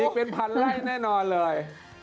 เป็นพันไล่แน่นอนเลย